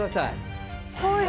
はい。